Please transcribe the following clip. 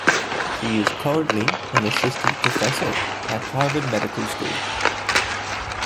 She is currently an Assistant Professor at Harvard Medical School.